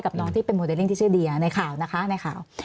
น้องที่เป็นโมเดลลิ่งที่ชื่อเดียในข่าวนะคะในข่าว